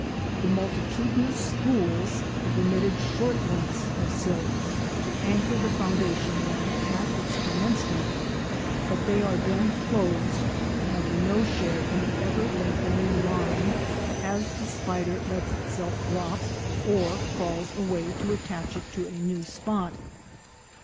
The multitudinous spools have emitted short lengths of silk to anchor the foundation line at its commencement, but they are then closed and have no share in the ever lengthening line as the spider lets itself drop or crawls away to attach it to a new spot.